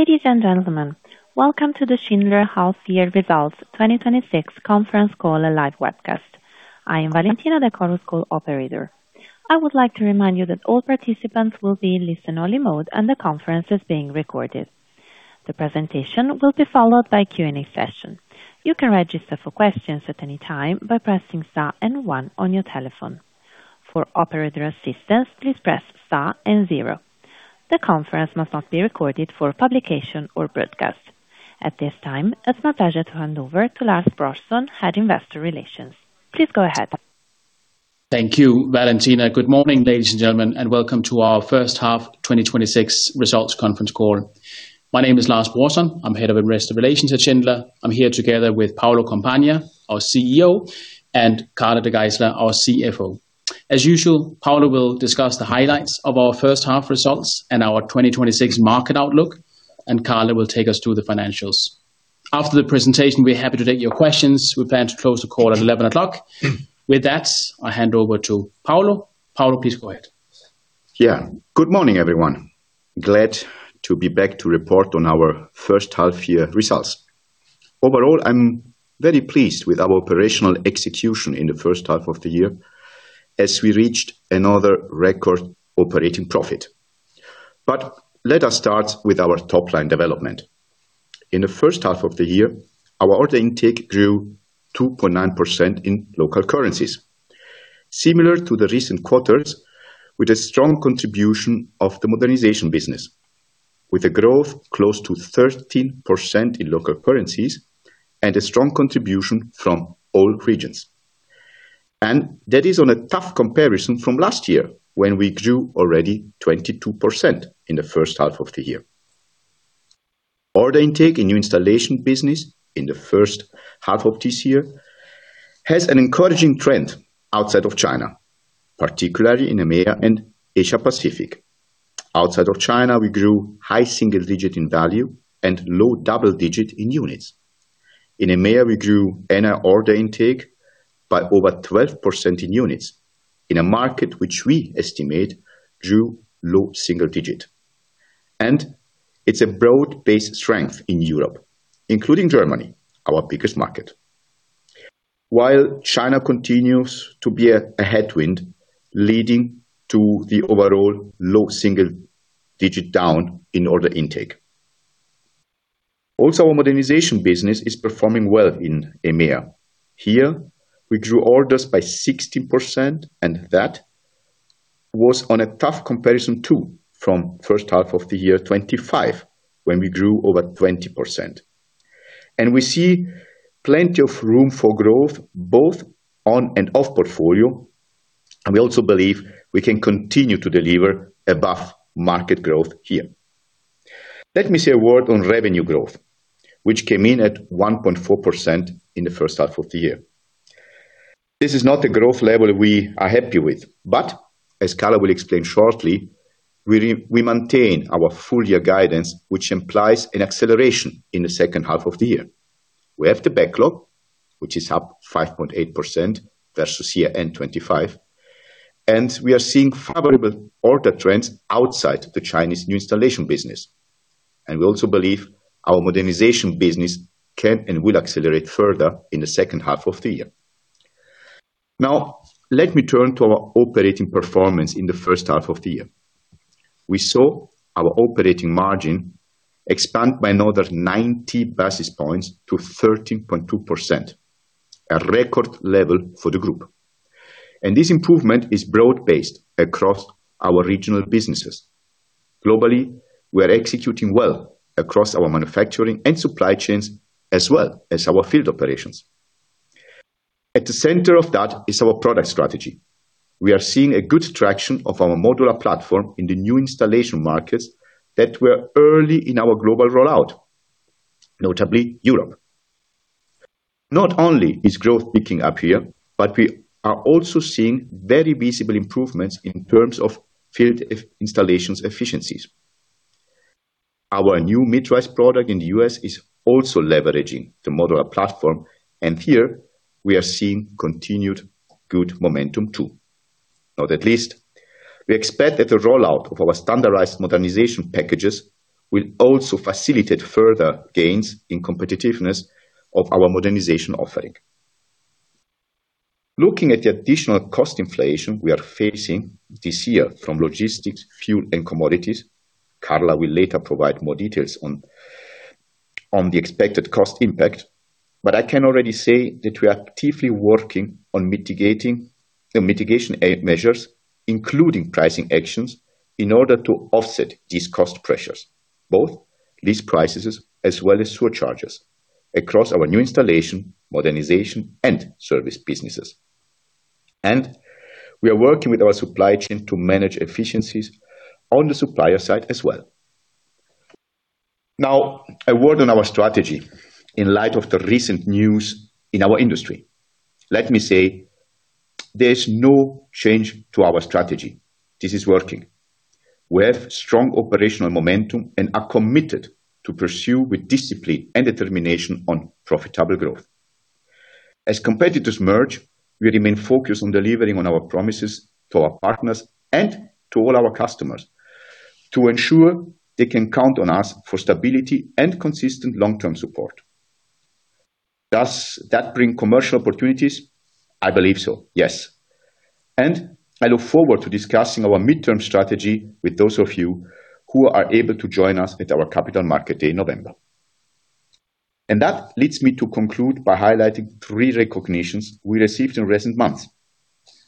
Ladies and gentlemen, welcome to the Schindler Half Year Results 2026 conference call and live webcast. I am Valentina, the Chorus Call operator. I would like to remind you that all participants will be in listen-only mode and the conference is being recorded. The presentation will be followed by a Q&A session. You can register for questions at any time by pressing star and one on your telephone. For operator assistance, please press star and zero. The conference must not be recorded for publication or broadcast. At this time, it is my pleasure to hand over to Lars Brorson, Head of Investor Relations. Please go ahead. Thank you, Valentina. Good morning, ladies and gentlemen, welcome to our first half 2026 results conference call. My name is Lars Brorson. I am Head of Investor Relations at Schindler. I am here together with Paolo Compagna, our Chief Executive Officer, and Carla De Geyseleer, our Chief Financial Officer. As usual, Paolo will discuss the highlights of our first half results and our 2026 market outlook, Carla will take us through the financials. After the presentation, we are happy to take your questions. We plan to close the call at 11:00 A.M. With that, I hand over to Paolo. Paolo, please go ahead. Good morning, everyone. Glad to be back to report on our first half-year results. Overall, I am very pleased with our operational execution in the first half of the year as we reached another record operating profit. Let us start with our top-line development. In the first half of the year, our order intake grew 2.9% in local currencies. Similar to the recent quarters, with a strong contribution of the modernization business, with a growth close to 13% in local currencies and a strong contribution from all regions. That is on a tough comparison from last year, when we grew already 22% in the first half of the year. Order intake in new installation business in the first half of this year has an encouraging trend outside of China, particularly in EMEA and Asia Pacific. Outside of China, we grew high single digit in value and low double digit in units. In EMEA, we grew order intake by over 12% in units in a market which we estimate grew low single digit. It is a broad-based strength in Europe, including Germany, our biggest market. While China continues to be a headwind leading to the overall low single digit down in order intake. Also, our modernization business is performing well in EMEA. Here we grew orders by 16%, and that was on a tough comparison, too, from first half of the year 2025, when we grew over 20%. We see plenty of room for growth both on and off portfolio, we also believe we can continue to deliver above market growth here. Let me say a word on revenue growth, which came in at 1.4% in the first half of the year. This is not a growth level we are happy with, but as Carla will explain shortly, we maintain our full-year guidance, which implies an acceleration in the second half of the year. We have the backlog, which is up 5.8% versus year-end 2025, and we are seeing favorable order trends outside the Chinese New Installation business. We also believe our Modernization business can and will accelerate further in the second half of the year. Let me turn to our operating performance in the first half of the year. We saw our operating margin expand by another 90 basis points to 13.2%, a record level for the group. This improvement is broad-based across our regional businesses. Globally, we are executing well across our manufacturing and supply chains as well as our field operations. At the center of that is our product strategy. We are seeing a good traction of our modular platform in the New Installation markets that were early in our global rollout, notably Europe. Not only is growth picking up here, but we are also seeing very visible improvements in terms of field installations efficiencies. Our new mid-rise product in the U.S. is also leveraging the modular platform, and here we are seeing continued good momentum too. Not at least, we expect that the rollout of our standardized Modernization packages will also facilitate further gains in competitiveness of our Modernization offering. Looking at the additional cost inflation we are facing this year from logistics, fuel, and commodities, Carla will later provide more details on the expected cost impact. I can already say that we are actively working on mitigation measures, including pricing actions, in order to offset these cost pressures. Both list prices as well as surcharges across our New Installation, Modernization, and Service businesses. We are working with our supply chain to manage efficiencies on the supplier side as well. A word on our strategy in light of the recent news in our industry. Let me say there is no change to our strategy. This is working. We have strong operational momentum and are committed to pursue with discipline and determination on profitable growth. As competitors merge, we remain focused on delivering on our promises to our partners and to all our customers to ensure they can count on us for stability and consistent long-term support. Does that bring commercial opportunities? I believe so, yes. I look forward to discussing our midterm strategy with those of you who are able to join us at our Capital Market Day in November. That leads me to conclude by highlighting three recognitions we received in recent months.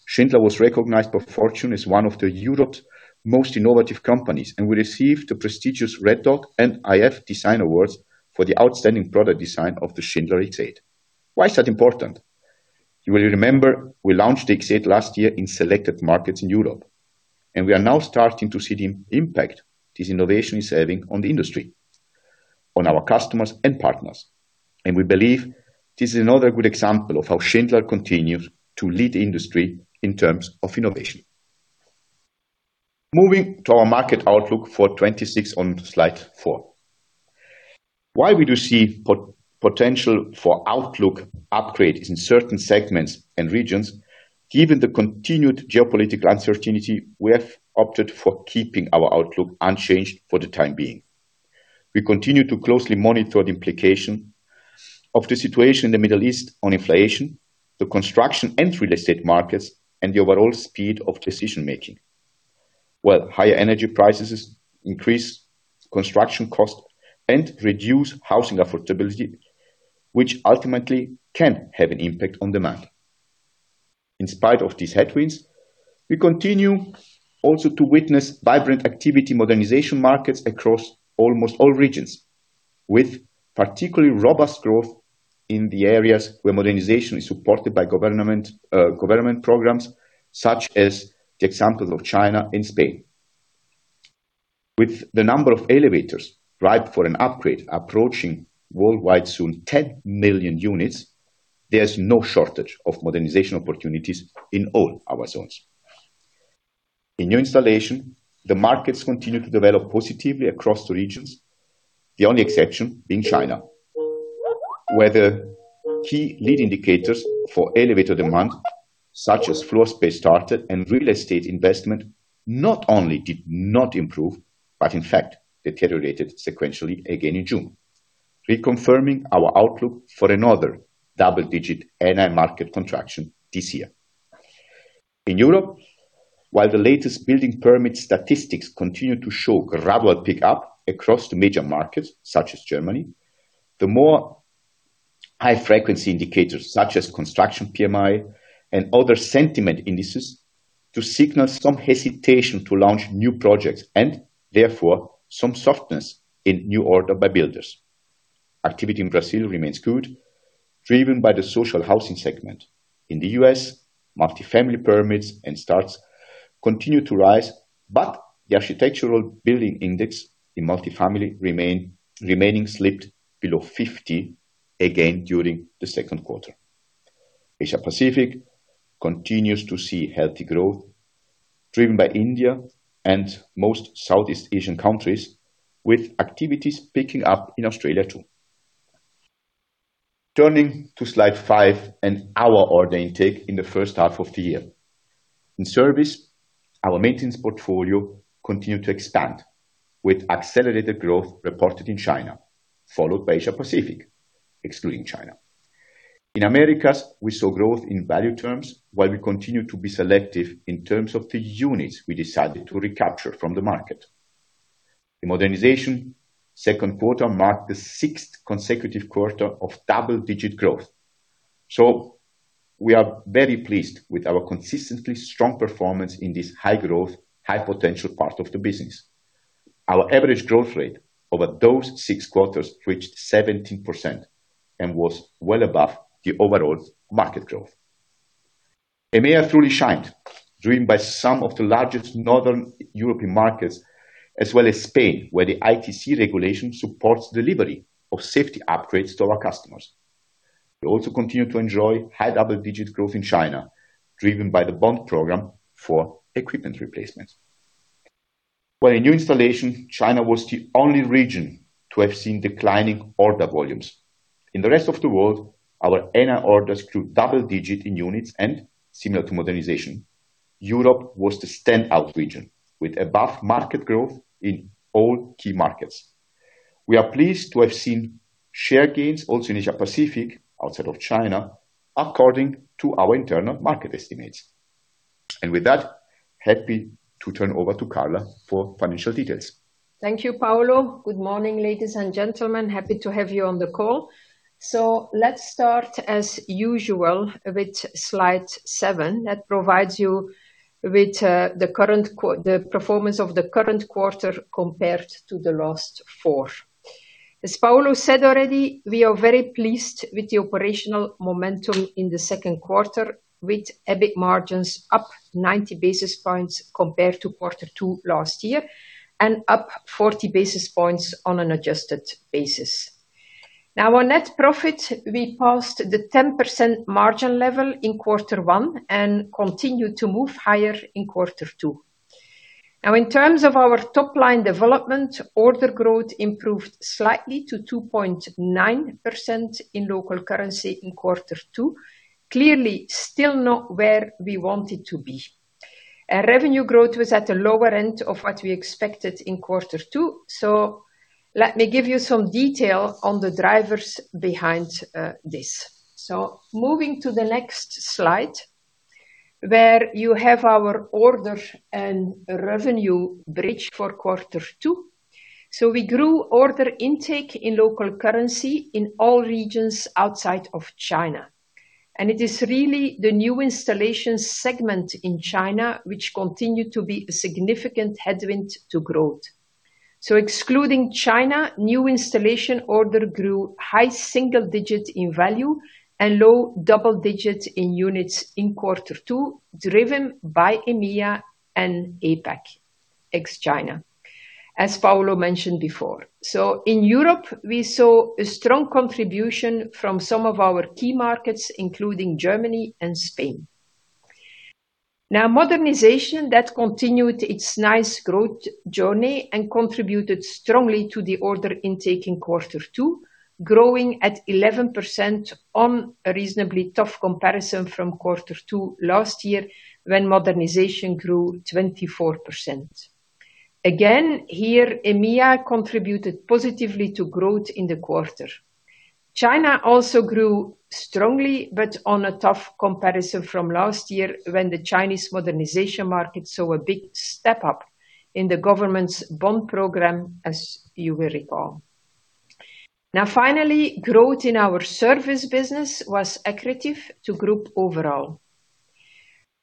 Schindler was recognized by Fortune as one of the Europe's Most Innovative Companies, and we received the prestigious Red Dot and iF DESIGN AWARD for the outstanding product design of the Schindler X8. Why is that important? You will remember we launched the X8 last year in selected markets in Europe, and we are now starting to see the impact this innovation is having on the industry, on our customers and partners. We believe this is another good example of how Schindler continues to lead the industry in terms of innovation. Moving to our market outlook for 2026 on slide four. While we do see potential for outlook upgrades in certain segments and regions, given the continued geopolitical uncertainty, we have opted for keeping our outlook unchanged for the time being. We continue to closely monitor the implication of the situation in the Middle East on inflation, the construction and real estate markets, and the overall speed of decision-making. While higher energy prices increase construction costs and reduce housing affordability, which ultimately can have an impact on demand. In spite of these headwinds, we continue also to witness vibrant activity modernization markets across almost all regions, with particularly robust growth in the areas where modernization is supported by government programs such as the example of China and Spain. With the number of elevators ripe for an upgrade approaching worldwide soon 10 million units, there is no shortage of modernization opportunities in all our zones. In New Installation, the markets continue to develop positively across the regions, the only exception being China, where the key lead indicators for elevator demand, such as floor space started and real estate investment, not only did not improve, but in fact deteriorated sequentially again in June, reconfirming our outlook for another double-digit NI market contraction this year. In Europe, while the latest building permit statistics continue to show gradual pickup across the major markets such as Germany, the more high-frequency indicators such as construction PMI and other sentiment indices signal some hesitation to launch new projects and therefore some softness in new orders by builders. Activity in Brazil remains good, driven by the social housing segment. In the U.S., multi-family permits and starts continue to rise, but the architectural building index in multi-family remaining slipped below 50 again during the second quarter. Asia-Pacific continues to see healthy growth, driven by India and most Southeast Asian countries, with activities picking up in Australia too. Turning to slide five and our order intake in the first half of the year. In service, our maintenance portfolio continued to expand with accelerated growth reported in China, followed by Asia-Pacific, excluding China. In Americas, we saw growth in value terms while we continued to be selective in terms of the units we decided to recapture from the market. The modernization second quarter marked the sixth consecutive quarter of double-digit growth. We are very pleased with our consistently strong performance in this high growth, high potential part of the business. Our average growth rate over those six quarters reached 17% and was well above the overall market growth. EMEA truly shined, driven by some of the largest Northern European markets as well as Spain, where the ITC regulation supports delivery of safety upgrades to our customers. We also continued to enjoy high double-digit growth in China, driven by the bond program for equipment replacements. In New Installation, China was the only region to have seen declining order volumes. In the rest of the world, our NI orders grew double-digit in units and similar to modernization. Europe was the standout region with above-market growth in all key markets. We are pleased to have seen share gains also in Asia-Pacific, outside of China, according to our internal market estimates. With that, happy to turn over to Carla for financial details. Thank you, Paolo. Good morning, ladies and gentlemen. Happy to have you on the call. Let's start as usual with slide seven, that provides you with the performance of the current quarter compared to the last four. As Paolo said already, we are very pleased with the operational momentum in the second quarter with EBIT margins up 90 basis points compared to quarter two last year, and up 40 basis points on an adjusted basis. On net profit, we passed the 10% margin level in quarter one and continue to move higher in quarter two. In terms of our top-line development, order growth improved slightly to 2.9% in local currency in quarter two. Clearly, still not where we want it to be. Revenue growth was at the lower end of what we expected in quarter two, let me give you some detail on the drivers behind this. Moving to the next slide, where you have our order and revenue bridge for quarter two. We grew order intake in local currency in all regions outside of China. It is really the new installation segment in China, which continued to be a significant headwind to growth. Excluding China, new installation order grew high single digits in value and low double digits in units in quarter two, driven by EMEA and APAC, ex-China, as Paolo mentioned before. In Europe, we saw a strong contribution from some of our key markets, including Germany and Spain. Modernization that continued its nice growth journey and contributed strongly to the order intake in quarter two, growing at 11% on a reasonably tough comparison from quarter two last year, when modernization grew 24%. Again, here, EMEA contributed positively to growth in the quarter. China also grew strongly, but on a tough comparison from last year when the Chinese modernization market saw a big step-up in the government's bond program, as you will recall. Finally, growth in our service business was accretive to group overall.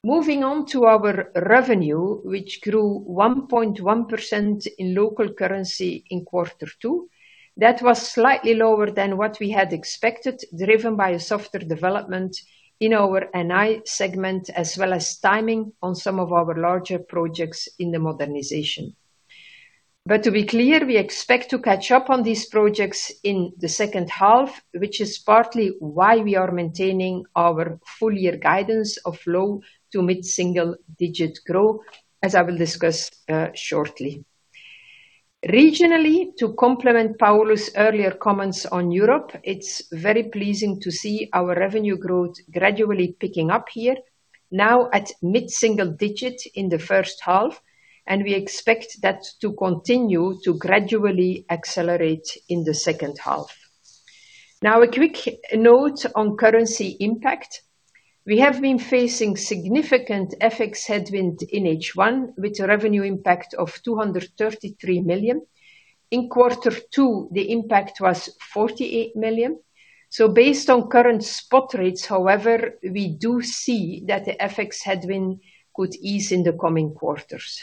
Moving on to our revenue, which grew 1.1% in local currency in quarter two. That was slightly lower than what we had expected, driven by a softer development in our NI segment, as well as timing on some of our larger projects in the modernization. To be clear, we expect to catch up on these projects in the second half, which is partly why we are maintaining our full year guidance of low to mid single digit growth, as I will discuss shortly. Regionally, to complement Paolo's earlier comments on Europe, it's very pleasing to see our revenue growth gradually picking up here. At mid single digit in the first half, and we expect that to continue to gradually accelerate in the second half. A quick note on currency impact. We have been facing significant FX headwind in H1 with revenue impact of 233 million. In quarter two, the impact was 48 million. Based on current spot rates, however, we do see that the FX headwind could ease in the coming quarters.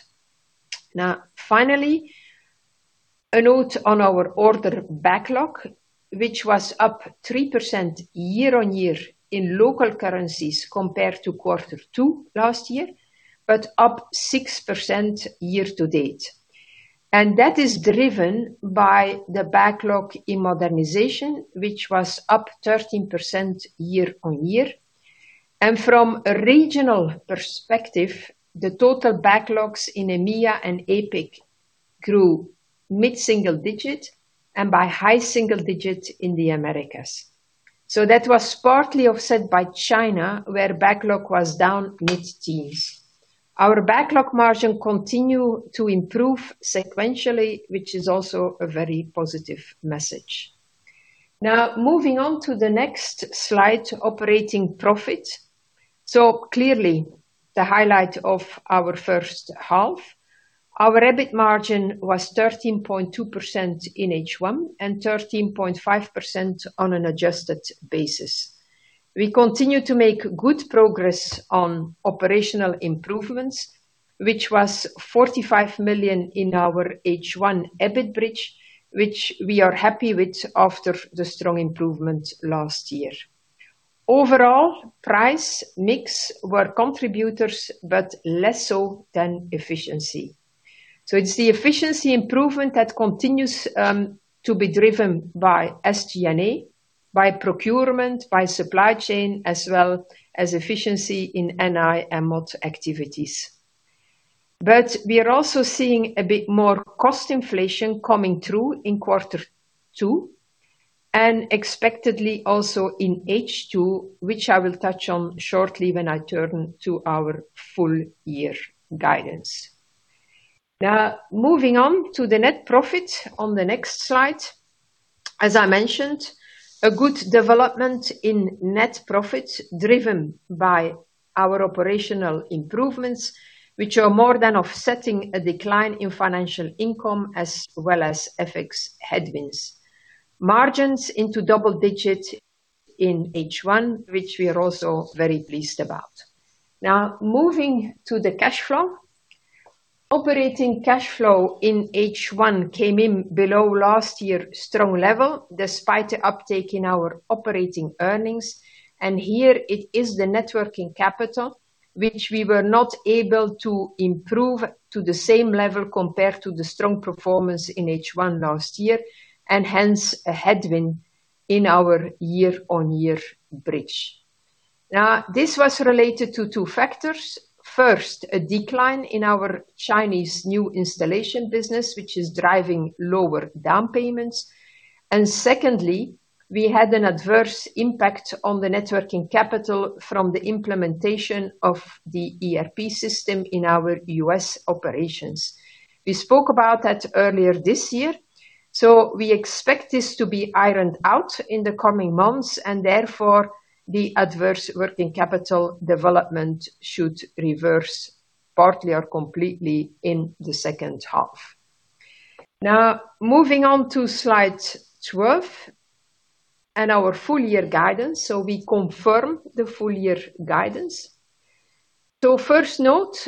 Finally, a note on our order backlog, which was up 3% year-on-year in local currencies compared to quarter two last year, but up 6% year-to-date. That is driven by the backlog in modernization, which was up 13% year-on-year. From a regional perspective, the total backlogs in EMEA and APAC grew mid-single digit and by high single digit in the Americas. That was partly offset by China, where backlog was down mid-teens. Our backlog margin continue to improve sequentially, which is also a very positive message. Moving on to the next slide, operating profit. Clearly the highlight of our first half, our EBIT margin was 13.2% in H1 and 13.5% on an adjusted basis. We continue to make good progress on operational improvements, which was 45 million in our H1 EBIT bridge, which we are happy with after the strong improvement last year. Overall, price mix were contributors, but less so than efficiency. It's the efficiency improvement that continues to be driven by SG&A, by procurement, by supply chain, as well as efficiency in NI and MOD activities. We are also seeing a bit more cost inflation coming through in quarter two and expectedly also in H2, which I will touch on shortly when I turn to our full year guidance. Moving on to the net profit on the next slide. As I mentioned, a good development in net profit driven by our operational improvements, which are more than offsetting a decline in financial income as well as FX headwinds. Margins into double digit in H1, which we are also very pleased about. Moving to the cash flow. Operating cash flow in H1 came in below last year strong level despite the uptake in our operating earnings, and here it is the net working capital, which we were not able to improve to the same level compared to the strong performance in H1 last year, and hence a headwind in our year-on-year bridge. This was related to two factors. First, a decline in our Chinese new installation business, which is driving lower down payments, and secondly, we had an adverse impact on the networking capital from the implementation of the ERP system in our U.S. operations. We spoke about that earlier this year. We expect this to be ironed out in the coming months, and therefore the adverse working capital development should reverse partly or completely in the second half. Moving on to slide 12 and our full year guidance. We confirm the full year guidance. First note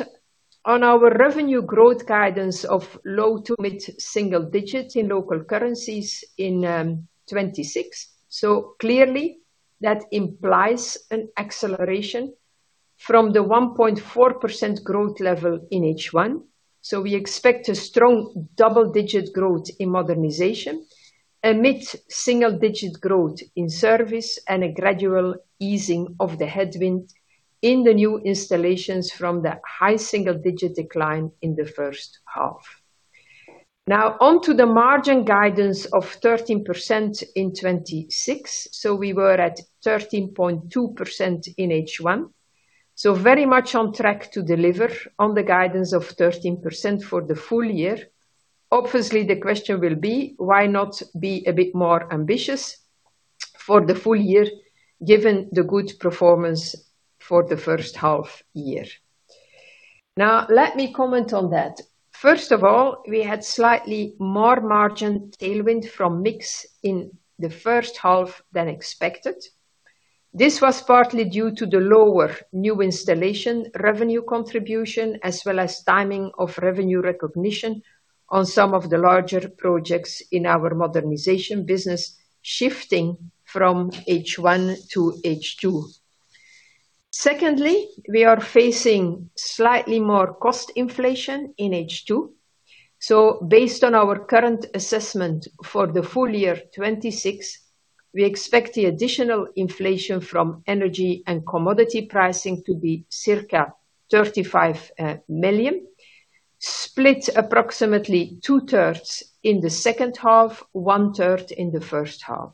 on our revenue growth guidance of low to mid single digits in local currencies in 2026. Clearly that implies an acceleration from the 1.4% growth level in H1. We expect a strong double-digit growth in modernization, a mid-single digit growth in service, and a gradual easing of the headwind in the new installations from that high single-digit decline in the first half. On to the margin guidance of 13% in 2026. We were at 13.2% in H1, very much on track to deliver on the guidance of 13% for the full year. Obviously, the question will be why not be a bit more ambitious for the full year given the good performance for the first half year? Let me comment on that. First of all, we had slightly more margin tailwind from mix in the first half than expected. This was partly due to the lower New Installations revenue contribution, as well as timing of revenue recognition on some of the larger projects in our Modernization business, shifting from H1 to H2. Secondly, we are facing slightly more cost inflation in H2. Based on our current assessment for the full year 2026, we expect the additional inflation from energy and commodity pricing to be circa 35 million, split approximately 2/3 in the second half, 1/3 in the first half.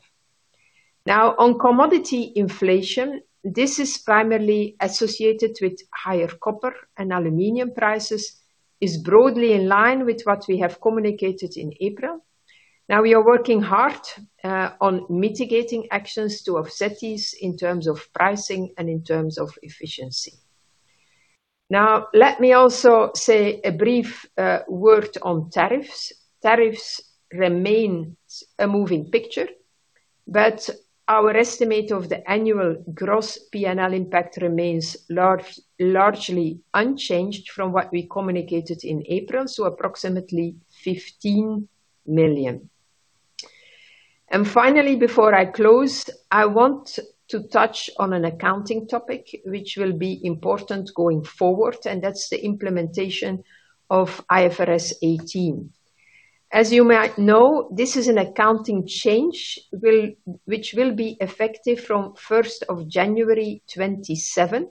On commodity inflation, this is primarily associated with higher copper and aluminum prices. It's broadly in line with what we have communicated in April. We are working hard on mitigating actions to offset these in terms of pricing and in terms of efficiency. Let me also say a brief word on tariffs. Tariffs remain a moving picture, but our estimate of the annual gross P&L impact remains largely unchanged from what we communicated in April, so approximately 15 million. Finally, before I close, I want to touch on an accounting topic which will be important going forward, and that's the implementation of IFRS 18. As you might know, this is an accounting change which will be effective from January 1, 2027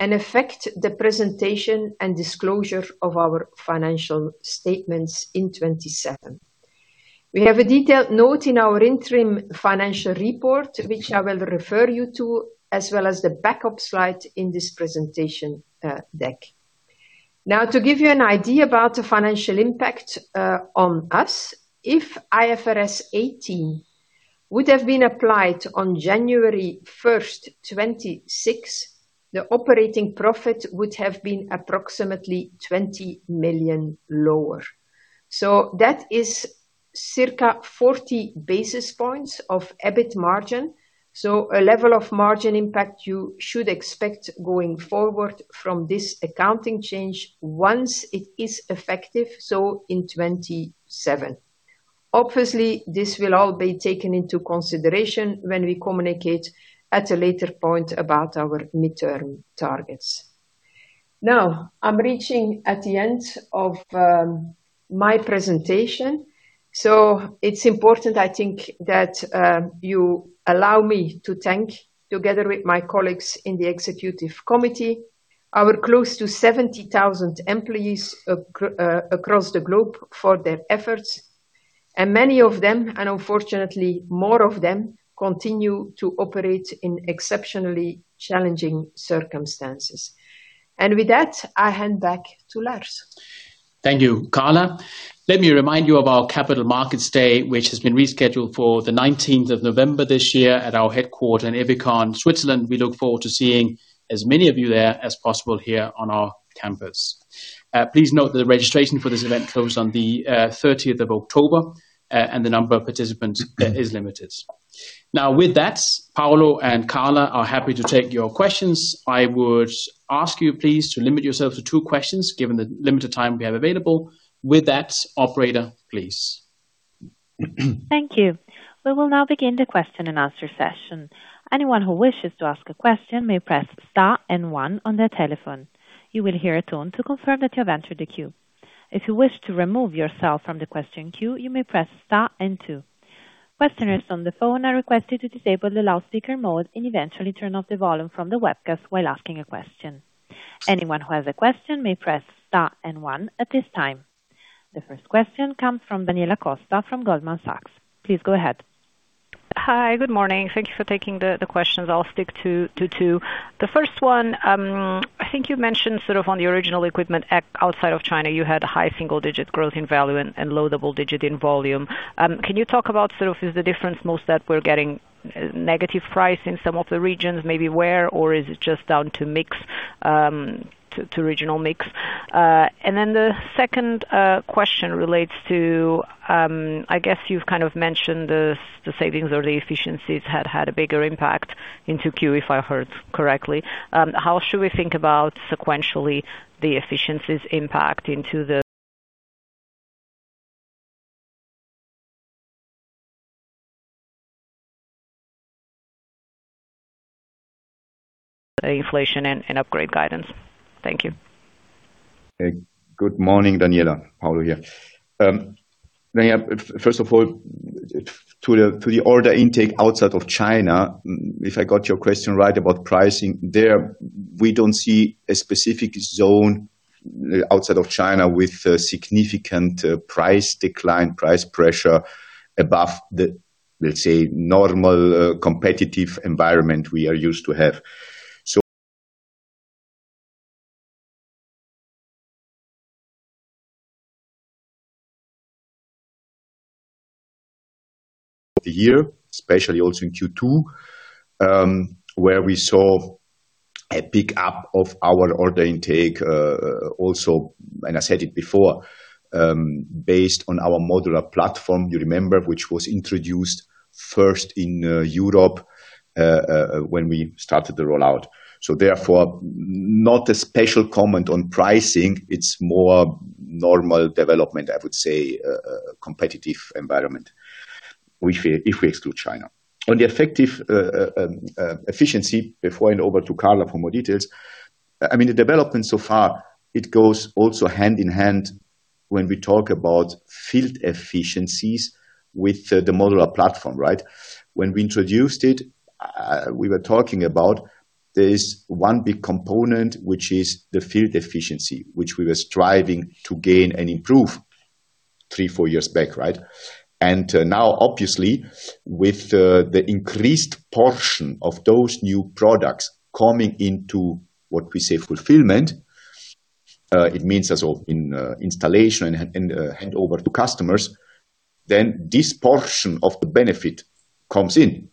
and affect the presentation and disclosure of our financial statements in 2027. We have a detailed note in our interim financial report, which I will refer you to, as well as the backup slide in this presentation deck. To give you an idea about the financial impact on us, if IFRS 18 would have been applied on January 1, 2026, the operating profit would have been approximately 20 million lower. That is circa 40 basis points of EBIT margin. A level of margin impact you should expect going forward from this accounting change once it is effective, in 2027. Obviously, this will all be taken into consideration when we communicate at a later point about our midterm targets. I'm reaching at the end of my presentation, it's important, I think, that you allow me to thank, together with my colleagues in the executive committee, our close to 70,000 employees across the globe for their efforts. Many of them, and unfortunately more of them, continue to operate in exceptionally challenging circumstances. With that, I hand back to Lars. Thank you, Carla. Let me remind you of our Capital Markets Day, which has been rescheduled for the 19th of November this year at our headquarter in Ebikon, Switzerland. We look forward to seeing as many of you there as possible here on our campus. Please note that the registration for this event closed on the 30th of October and the number of participants is limited. With that, Paolo and Carla are happy to take your questions. I would ask you please to limit yourself to two questions given the limited time we have available. With that, operator, please. Thank you. We will now begin the question and answer session. Anyone who wishes to ask a question may press star and one on their telephone. You will hear a tone to confirm that you have entered the queue. If you wish to remove yourself from the question queue, you may press star and two. Questioners on the phone are requested to disable the loudspeaker mode and eventually turn off the volume from the webcast while asking a question. Anyone who has a question may press star and one at this time. The first question comes from Daniela Costa from Goldman Sachs. Please go ahead. Hi. Good morning. Thank you for taking the questions. I'll stick to two. The first one, I think you mentioned sort of on the original equipment outside of China, you had high single-digit growth in value and low double-digit in volume. Can you talk about sort of is the difference most that we're getting negative price in some of the regions, maybe where, or is it just down to regional mix? The second question relates to, I guess you've kind of mentioned the savings or the efficiencies had a bigger impact into Q if I heard correctly. How should we think about sequentially the efficiencies impact into the inflation and upgrade guidance? Thank you. Good morning, Daniela. Paolo here. First of all, to the order intake outside of China, if I got your question right about pricing there, we don't see a specific zone outside of China with a significant price decline, price pressure above the, let's say, normal competitive environment we are used to have. The year, especially also in Q2, where we saw a pick-up of our order intake, also, I said it before, based on our modular platform, you remember, which was introduced first in Europe when we started the rollout. Therefore, not a special comment on pricing. It's more normal development, I would say, competitive environment if we exclude China. On the efficiency, before hand over to Carla for more details. The development so far, it goes also hand in hand when we talk about field efficiencies with the modular platform, right? When we introduced it, we were talking about there is one big component, which is the field efficiency, which we were striving to gain and improve three, four years back, right? Now, obviously, with the increased portion of those new products coming into what we say fulfillment, it means as in installation and hand over to customers, then this portion of the benefit comes in.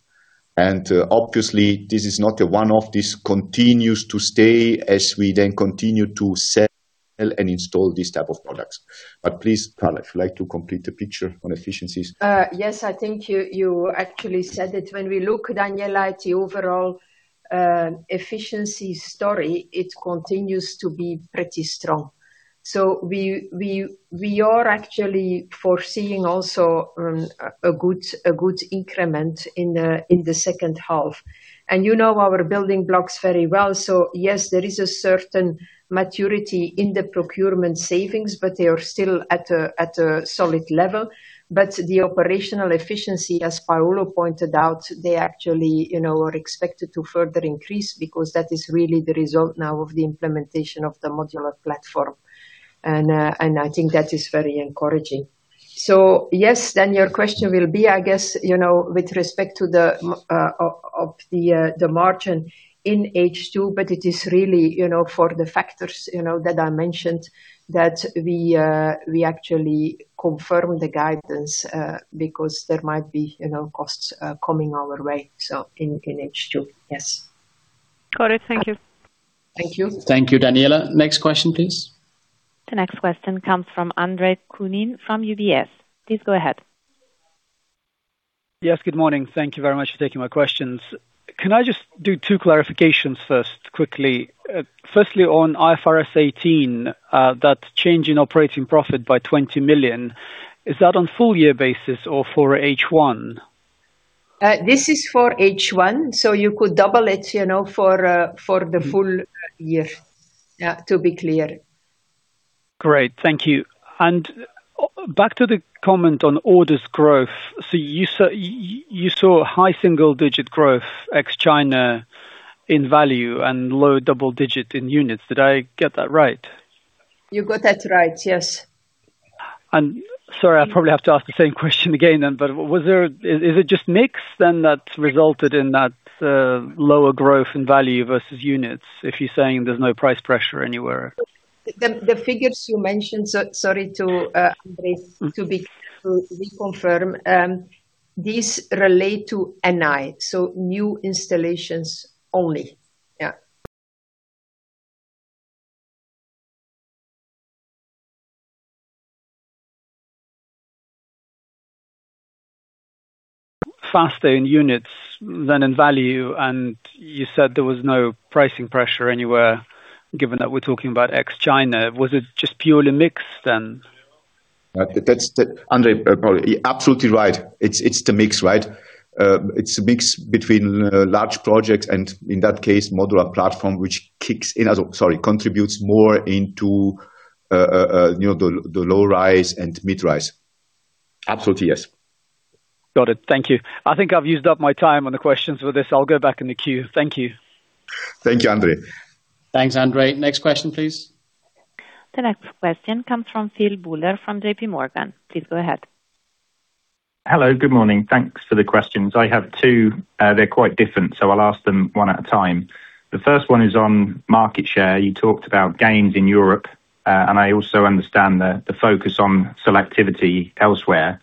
Obviously, this is not a one-off. This continues to stay as we then continue to sell and install these type of products. Please, Carla, if you'd like to complete the picture on efficiencies. Yes, I think you actually said it. When we look, Daniela, at the overall efficiency story, it continues to be pretty strong. We are actually foreseeing also a good increment in H2. You know our building blocks very well, yes, there is a certain maturity in the procurement savings, but they are still at a solid level. The operational efficiency, as Paolo pointed out, they actually are expected to further increase because that is really the result now of the implementation of the modular platform. I think that is very encouraging. Yes, then your question will be, I guess, with respect to the margin in H2, it is really for the factors that I mentioned that we actually confirm the guidance, because there might be costs coming our way in H2. Yes. Got it. Thank you. Thank you. Thank you, Daniela. Next question, please. The next question comes from Andre Kukhnin from UBS. Please go ahead. Yes, good morning. Thank you very much for taking my questions. Can I just do two clarifications first quickly? Firstly, on IFRS 18, that change in operating profit by 20 million, is that on full year basis or for H1? This is for H1, so you could double it for the full year, to be clear. Great. Thank you. Back to the comment on orders growth. You saw a high single-digit growth ex China in value and low double-digit in units. Did I get that right? You got that right, yes. Sorry, I probably have to ask the same question again then, but is it just mix then that resulted in that lower growth in value versus units, if you're saying there's no price pressure anywhere? The figures you mentioned, sorry, Andre, to reconfirm, these relate to NI, so new installations only. Yeah. Faster in units than in value, and you said there was no pricing pressure anywhere given that we're talking about ex China. Was it just purely mix then? Andre, absolutely right. It's the mix. It's a mix between large projects and in that case, modular platform, which contributes more into the low rise and mid rise. Absolutely, yes. Got it. Thank you. I think I've used up my time on the questions for this. I'll go back in the queue. Thank you. Thank you, Andre. Thanks, Andre. Next question, please. The next question comes from Phil Buller from JPMorgan. Please go ahead. Hello. Good morning. Thanks for the questions. I have two. They're quite different, I'll ask them one at a time. The first one is on market share. You talked about gains in Europe, I also understand the focus on selectivity elsewhere.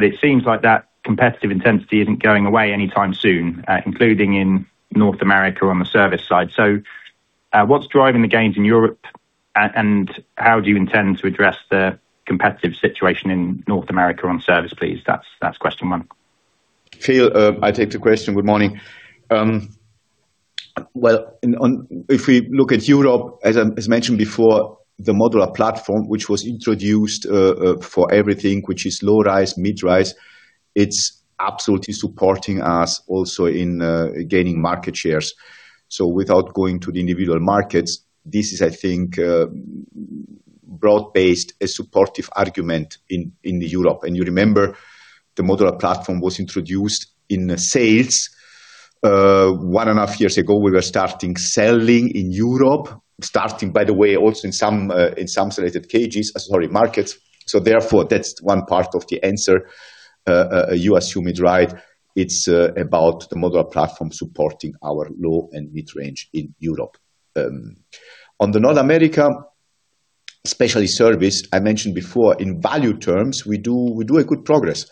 It seems like that competitive intensity isn't going away anytime soon, including in North America on the service side. What's driving the gains in Europe? How do you intend to address the competitive situation in North America on service, please? That's question one. Phil, I take the question. Good morning. If we look at Europe, as mentioned before, the modular platform, which was introduced for everything, which is low-rise, mid-rise, it's absolutely supporting us also in gaining market shares. Without going to the individual markets, this is, I think, broad-based, a supportive argument in Europe. You remember, the modular platform was introduced in sales one and a half years ago. We were starting selling in Europe. Starting, by the way, also in some selected markets. Therefore, that's one part of the answer. You assume it right, it's about the modular platform supporting our low and mid-range in Europe. On the North America specialty service, I mentioned before, in value terms, we do a good progress.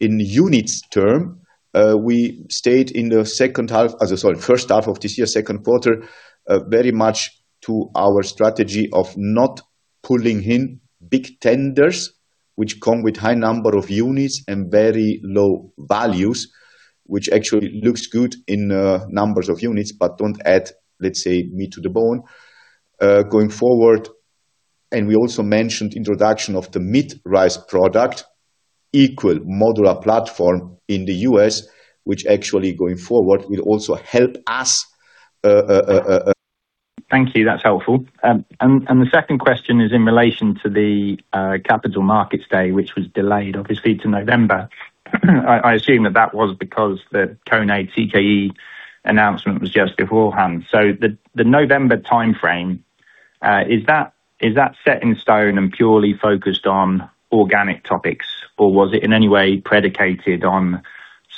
In units term, we stayed in the first half of this year, second quarter, very much to our strategy of not pulling in big tenders which come with high number of units and very low values, which actually looks good in numbers of units, but don't add, let's say, meat to the bone, going forward. We also mentioned introduction of the mid-rise product, equal modular platform in the U.S., which actually going forward will also help us. Thank you. That's helpful. The second question is in relation to the Capital Markets Day, which was delayed obviously to November. I assume that that was because the Kone TKE announcement was just beforehand. The November timeframe, is that set in stone and purely focused on organic topics, or was it in any way predicated on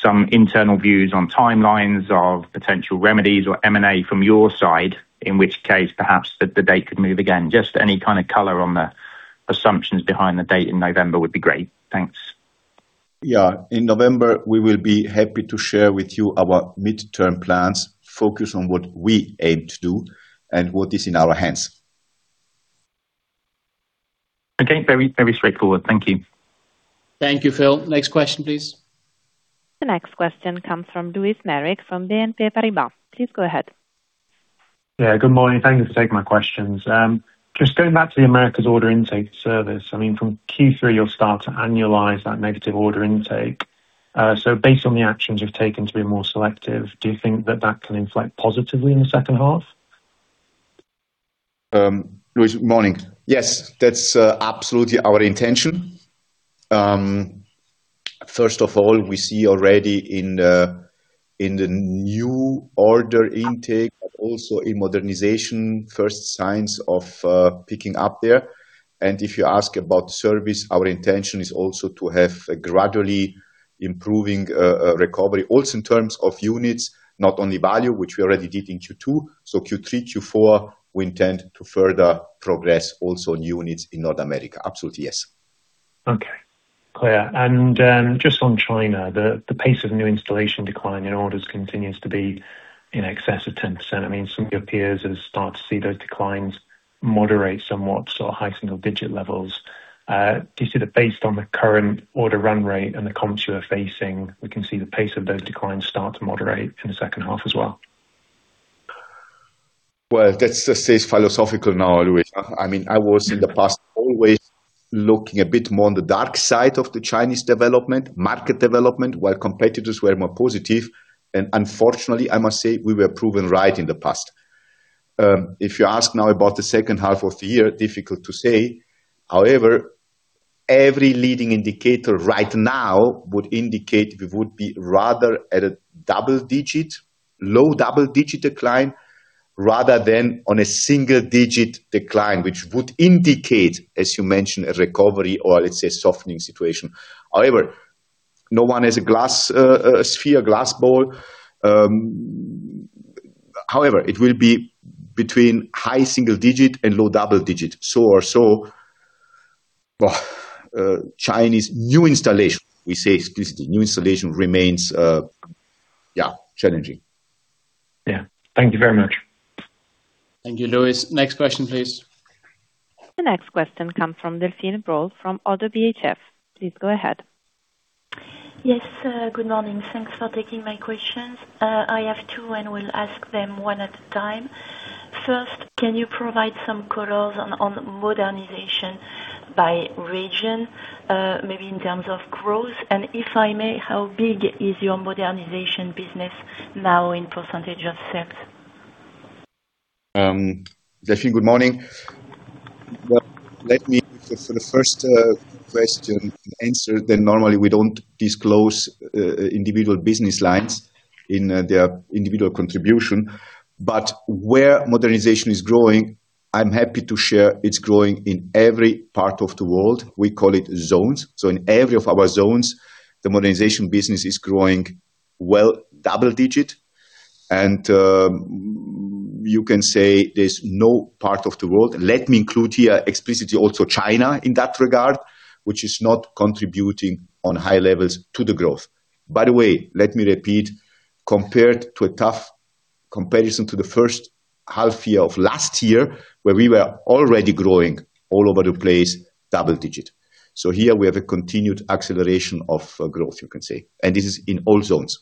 some internal views on timelines of potential remedies or M&A from your side, in which case perhaps the date could move again? Any kind of color on the assumptions behind the date in November would be great. Thanks. Yeah. In November, we will be happy to share with you our midterm plans, focus on what we aim to do and what is in our hands. Again, very straightforward. Thank you. Thank you, Phil. Next question, please. The next question comes from Lewis Merrick from BNP Paribas. Please go ahead. Yeah, good morning. Thank you for taking my questions. Just going back to the Americas order intake service. From Q3, you'll start to annualize that negative order intake. Based on the actions you've taken to be more selective, do you think that that can inflect positively in the second half? Lewis, good morning. Yes. That's absolutely our intention. First of all, we see already in the new order intake, but also in modernization, first signs of picking up there. If you ask about service, our intention is also to have a gradually improving recovery. Also in terms of units, not only value, which we already did in Q2, so Q3, Q4, we intend to further progress also new units in North America. Absolutely, yes. Okay. Clear. Just on China, the pace of new installation decline in orders continues to be in excess of 10%. Some of your peers have started to see those declines moderate somewhat, so high single digit levels. Do you see that based on the current order run rate and the comps you are facing, we can see the pace of those declines start to moderate in the second half as well? Well, that's philosophical now, Lewis. I was in the past always looking a bit more on the dark side of the Chinese development, market development, while competitors were more positive. Unfortunately, I must say, we were proven right in the past. If you ask now about the second half of the year, difficult to say. However, every leading indicator right now would indicate we would be rather at a low double-digit decline rather than on a single-digit decline, which would indicate, as you mentioned, a recovery or let's say softening situation. However, no one has a crystal ball. However, it will be between high single digit and low double digit. Or so, Chinese New Installation, we say explicitly, New Installation remains challenging. Thank you very much. Thank you, Lewis. Next question, please. The next question comes from Delphine Brault from ODDO BHF. Please go ahead. Yes. Good morning. Thanks for taking my questions. I have two, and will ask them one at a time. First, can you provide some color on Modernization by region, maybe in terms of growth? If I may, how big is your Modernization business now in percentage of sales? Delphine, good morning. Let me, for the first question answer, that normally we don't disclose individual business lines in their individual contribution. Where Modernization is growing, I'm happy to share it's growing in every part of the world. We call it zones. In every of our zones, the Modernization business is growing, well, double-digit. You can say there's no part of the world, let me include here explicitly, also China in that regard, which is not contributing on high levels to the growth. By the way, let me repeat, compared to a tough comparison to the H1 of last year, where we were already growing all over the place, double-digit. Here we have a continued acceleration of growth, you can say. This is in all zones,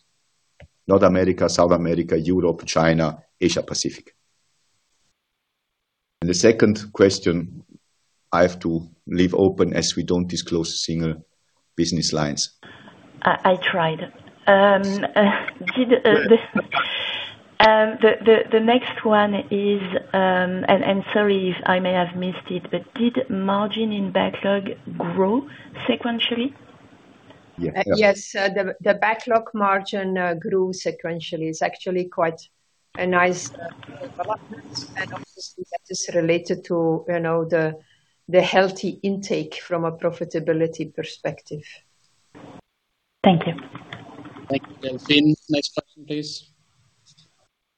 North America, South America, Europe, China, Asia, Pacific. The second question I have to leave open as we don't disclose single business lines. I tried. The next one is, and sorry if I may have missed it, but did margin in backlog grow sequentially? Yes. Yes. The backlog margin grew sequentially. It's actually quite a nice development. Obviously that is related to the healthy intake from a profitability perspective. Thank you. Thank you. Next question, please.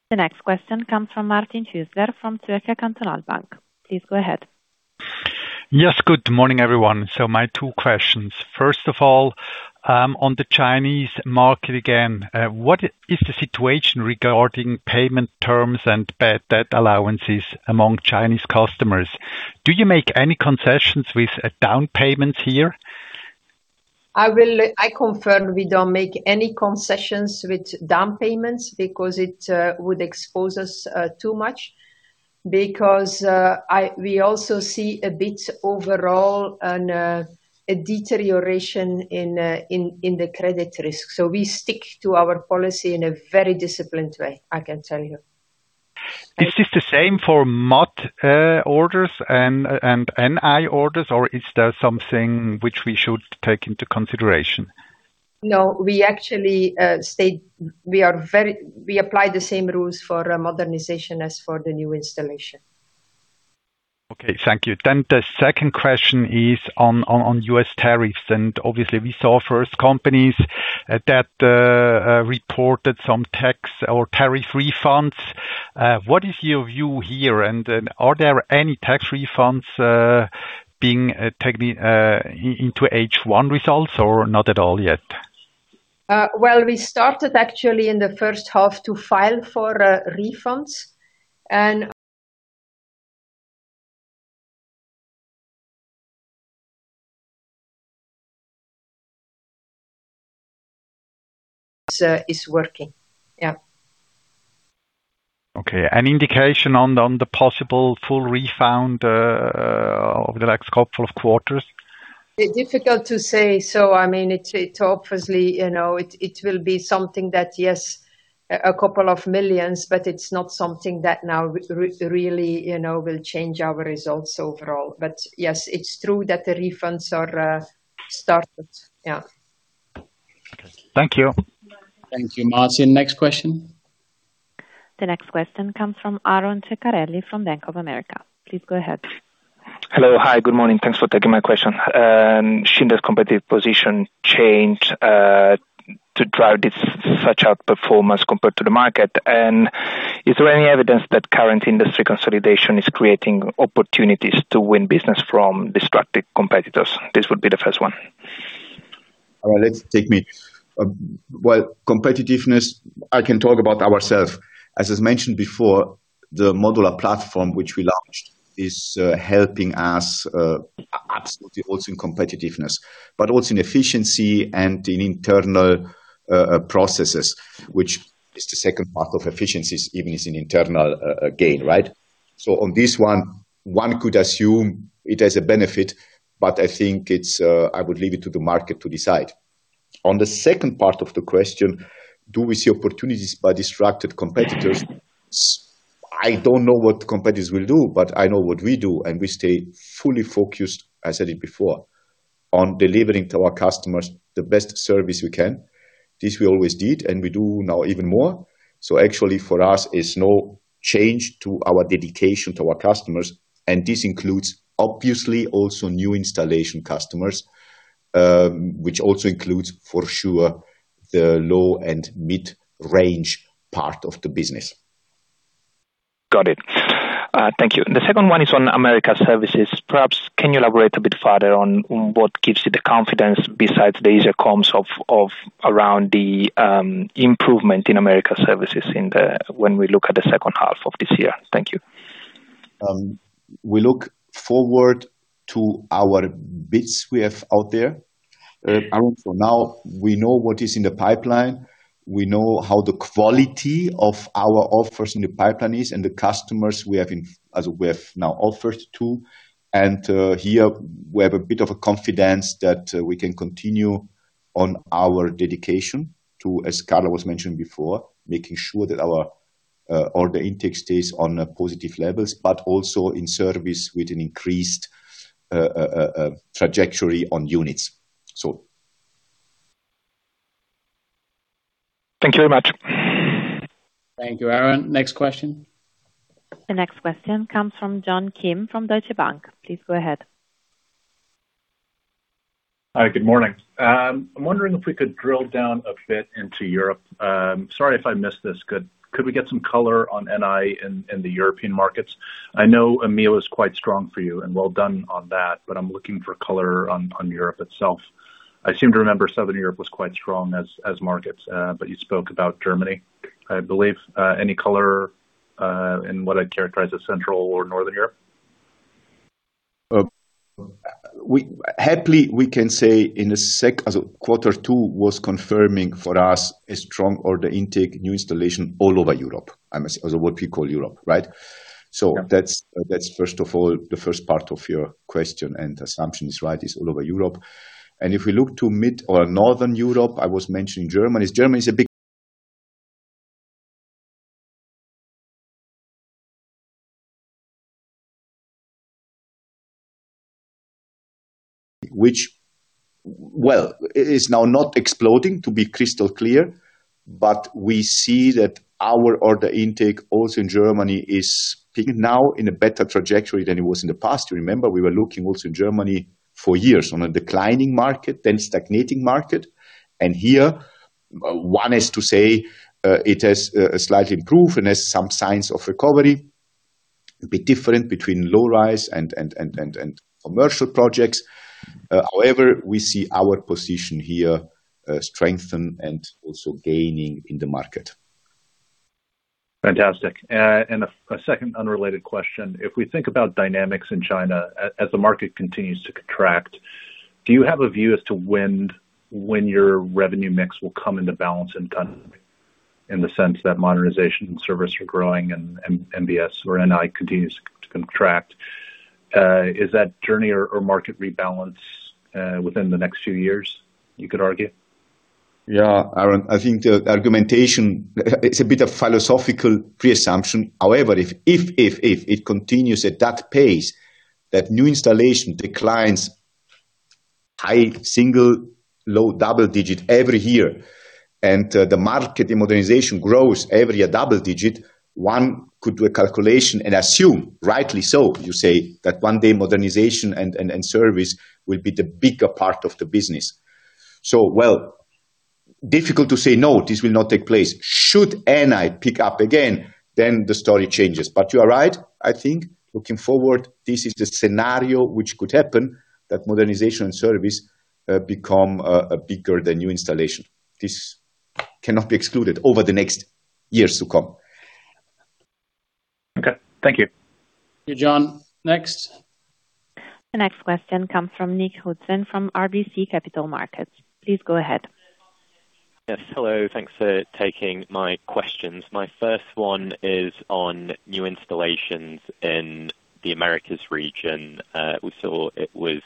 The next question comes from Martin Hüsler from Zürcher Kantonalbank. Please go ahead. Yes. Good morning, everyone. My two questions. First of all, on the Chinese market again. What is the situation regarding payment terms and bad debt allowances among Chinese customers? Do you make any concessions with down payments here? I confirm we don't make any concessions with down payments because it would expose us too much. We also see a bit overall on a deterioration in the credit risk. We stick to our policy in a very disciplined way, I can tell you. Is this the same for mod orders and NI orders, or is there something which we should take into consideration? No. We apply the same rules for modernization as for the new installation. Okay. Thank you. The second question is on U.S. tariffs, obviously we saw first companies that reported some tax or tariff refunds. What is your view here? Are there any tax refunds being taken into H1 results or not at all yet? Well, we started actually in the first half to file for refunds, and is working. Yeah. Okay. Is there an indication on the possible full refund over the next couple of quarters? Difficult to say. It obviously will be something that, yes, a couple of millions, but it's not something that now really will change our results overall. Yes, it's true that the refunds are started. Yeah. Thank you. Thank you, Martin. Next question. The next question comes from Aron Ceccarelli from Bank of America. Please go ahead. Hello. Hi, good morning. Thanks for taking my question. Schindler's competitive position changed to drive this such outperformance compared to the market. Is there any evidence that current industry consolidation is creating opportunities to win business from distracted competitors? This would be the first one. All right. Let's take me. Well, competitiveness, I can talk about ourself. As is mentioned before, the modular platform which we launched is helping us absolutely also in competitiveness, but also in efficiency and in internal processes, which is the second part of efficiencies, even as an internal gain, right? On this one could assume it has a benefit, but I think I would leave it to the market to decide. On the second part of the question, do we see opportunities by distracted competitors? I don't know what competitors will do, but I know what we do, and we stay fully focused, I said it before, on delivering to our customers the best service we can. This we always did, and we do now even more. Actually for us, it's no change to our dedication to our customers, and this includes obviously also New Installations customers, which also includes for sure the low and mid-range part of the business. Got it. Thank you. The second one is on Americas services. Perhaps can you elaborate a bit further on what gives you the confidence besides the Asia comps of around the improvement in Americas services when we look at the second half of this year? Thank you. We look forward to our bits we have out there. For now, we know what is in the pipeline. We know how the quality of our offers in the pipeline is and the customers we have now offered to. Here we have a bit of a confidence that we can continue our dedication to, as Carla was mentioning before, making sure that our order intake stays on positive levels, but also in service with an increased trajectory on units. Thank you very much. Thank you, Aron. Next question. The next question comes from John Kim from Deutsche Bank. Please go ahead. Hi. Good morning. I'm wondering if we could drill down a bit into Europe. Sorry if I missed this. Could we get some color on NI in the European markets? I know EMEA was quite strong for you, and well done on that, but I'm looking for color on Europe itself. I seem to remember Southern Europe was quite strong as markets, but you spoke about Germany, I believe. Any color in what I'd characterize as Central or Northern Europe? Happily, we can say quarter two was confirming for us a strong order intake, new installation all over Europe. I mean, what we call Europe, right? Yeah. That's first of all, the first part of your question and assumption is right, is all over Europe. If we look to mid or Northern Europe, I was mentioning Germany. Germany is now not exploding, to be crystal clear. We see that our order intake also in Germany is now in a better trajectory than it was in the past. Remember, we were looking also in Germany for years on a declining market, then stagnating market. Here, one is to say, it has slightly improved and has some signs of recovery. A bit different between low rise and commercial projects. However, we see our position here strengthened and also gaining in the market. Fantastic. A second unrelated question. If we think about dynamics in China as the market continues to contract, do you have a view as to when your revenue mix will come into balance in the sense that modernization and service are growing and MBS or NI continues to contract? Is that journey or market rebalance within the next few years, you could argue? Yeah. John, I think the argumentation, it's a bit of philosophical preassumption. However, if it continues at that pace, that New Installation declines high single, low double digit every year, and the market in Modernization grows every a double digit, one could do a calculation and assume, rightly so, you say, that one day Modernization and service will be the bigger part of the business. Well, difficult to say, no, this will not take place. Should NI pick up again, then the story changes. You are right. I think looking forward, this is the scenario which could happen, that Modernization and service become bigger than New Installation. This cannot be excluded over the next years to come. Okay. Thank you. Thank you, John. Next. The next question comes from Nick Housden from RBC Capital Markets. Please go ahead. Hello. Thanks for taking my questions. My first one is on new installations in the Americas region. We saw it was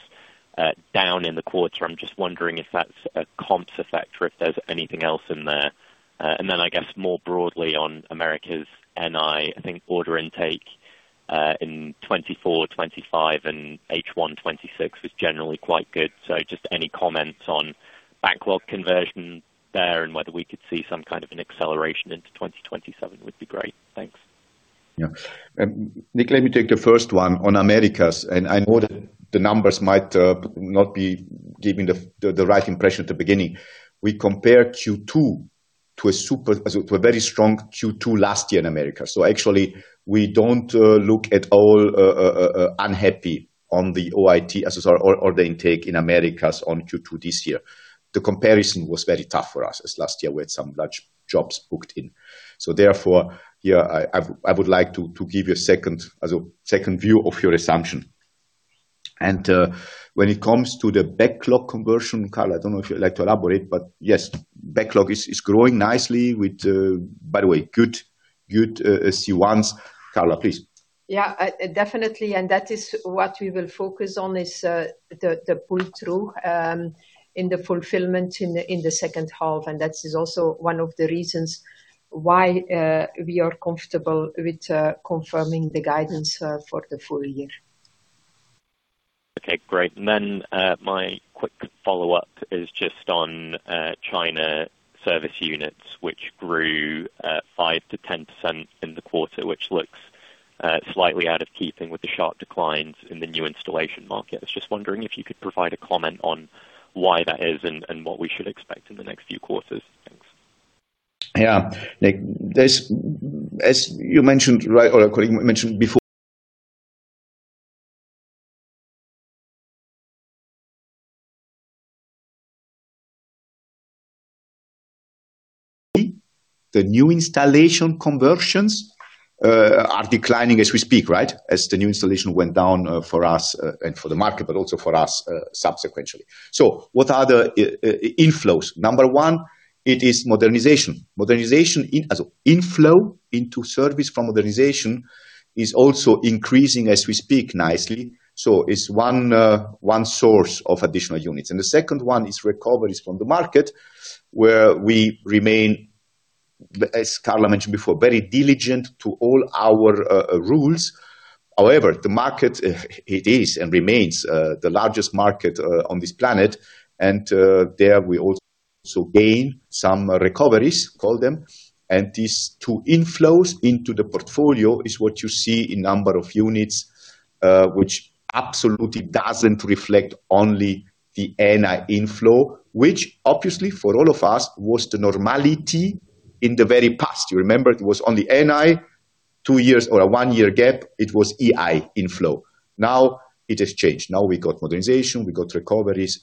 down in the quarter. I'm just wondering if that's a comps effect or if there's anything else in there. I guess more broadly on Americas NI, I think order intake, in 2024, 2025 and H1 2026 was generally quite good. Just any comments on backlog conversion there and whether we could see some kind of an acceleration into 2027 would be great. Thanks. Nick, let me take the first one on Americas, I know that the numbers might not be giving the right impression at the beginning. We compare Q2 to a very strong Q2 last year in America. Actually, we don't look at all unhappy on the OIT as order intake in Americas on Q2 this year. The comparison was very tough for us, as last year we had some large jobs booked in. Therefore, I would like to give you a second view of your assumption. When it comes to the backlog conversion, Carla, I don't know if you'd like to elaborate, but yes, backlog is growing nicely with, by the way, good C1. Carla, please. Definitely, that is what we will focus on is the pull-through, in the fulfillment in the second half. That is also one of the reasons why we are comfortable with confirming the guidance for the full year. Okay, great. My quick follow-up is just on China service units, which grew 5%-10% in the quarter, which looks slightly out of keeping with the sharp declines in the new installation market. I was just wondering if you could provide a comment on why that is and what we should expect in the next few quarters. Thanks. Yeah. Nick, as you mentioned, right, or your colleague mentioned before. The New Installation conversions are declining as we speak, right? As the New Installation went down for us and for the market, also for us sequentially. What are the inflows? Number one, it is Modernization. Modernization as inflow into service from Modernization is also increasing as we speak nicely. It's one source of additional units. The second one is recoveries from the market where we remain, as Carla mentioned before, very diligent to all our rules. However, the market, it is and remains the largest market on this planet, there we also gain some recoveries, call them. These two inflows into the portfolio is what you see in number of units, which absolutely doesn't reflect only the NI inflow, which obviously for all of us was the normality in the very past. You remember it was on the NI two years or a one year gap, it was NI inflow. Now it has changed. Now we got Modernization, we got recoveries,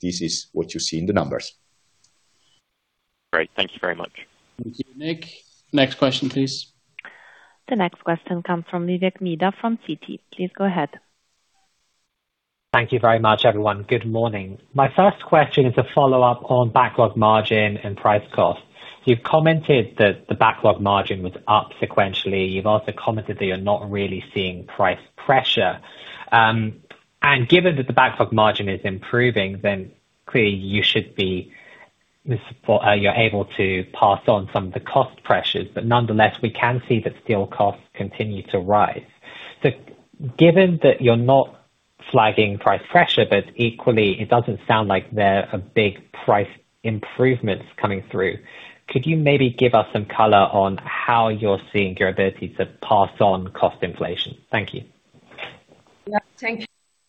this is what you see in the numbers. Great. Thank you very much. Thank you, Nick. Next question, please. The next question comes from Vivek Midha from Citi. Please go ahead. Thank you very much, everyone. Good morning. My first question is a follow-up on backlog margin and price cost. You've commented that the backlog margin was up sequentially. You've also commented that you're not really seeing price pressure. Given that the backlog margin is improving, clearly you're able to pass on some of the cost pressures. Nonetheless, we can see that steel costs continue to rise. Given that you're not flagging price pressure, equally it doesn't sound like there are big price improvements coming through, could you maybe give us some color on how you're seeing your ability to pass on cost inflation? Thank you. Thank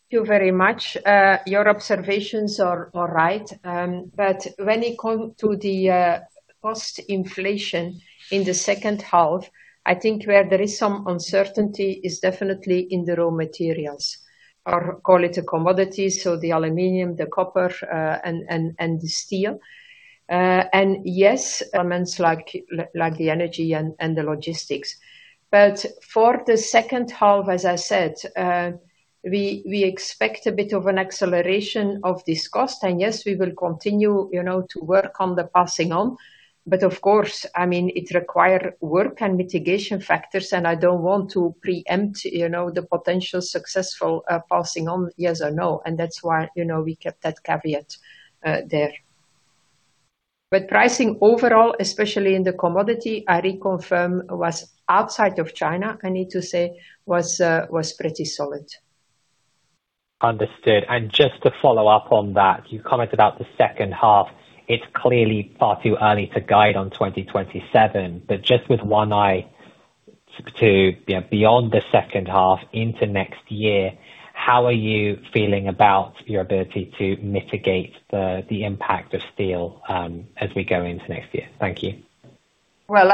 you very much. Your observations are all right. When it comes to the cost inflation in the second half, I think where there is some uncertainty is definitely in the raw materials, call it a commodity, the aluminum, the copper, and the steel. Yes, elements like the energy and the logistics. For the second half, as I said, we expect a bit of an acceleration of this cost. Yes, we will continue to work on the passing on. Of course, it require work and mitigation factors, and I don't want to preempt the potential successful passing on yes or no. That's why we kept that caveat there. Pricing overall, especially in the commodity, I reconfirm was outside of China, I need to say, was pretty solid. Understood. Just to follow up on that, you commented about the second half. It's clearly far too early to guide on 2027, just with one eye to beyond the second half into next year, how are you feeling about your ability to mitigate the impact of steel as we go into next year? Thank you. Well,